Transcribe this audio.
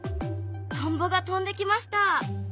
トンボが飛んできました。